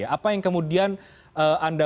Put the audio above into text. apa yang kemudian anda